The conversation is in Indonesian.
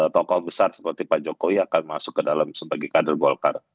tokoh besar seperti pak jokowi akan masuk ke dalam sebagai kader golkar